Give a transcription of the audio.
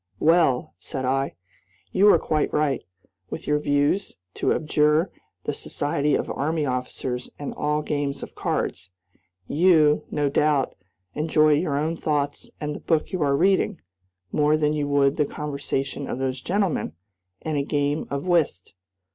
"Well," said I, "you are quite right, with your views, to abjure the society of army officers and all games of cards. You, no doubt, enjoy your own thoughts and the book you are reading, more than you would the conversation of those gentlemen and a game of whist.